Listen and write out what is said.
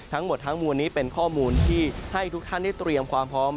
ทั้งหมดทั้งมวลนี้เป็นข้อมูลที่ให้ทุกท่านได้เตรียมความพร้อม